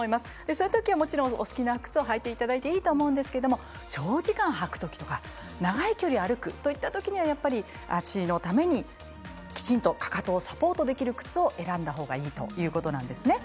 そういうときはお好きな靴を履いていただいていいと思うんですけれど長時間履くときとか長い距離歩くというときにはやっぱり足のためにきちんとかかとをサポートできる靴を選んだほうがいいということなんですね。